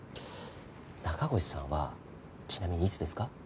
中越さんはちなみにいつですか？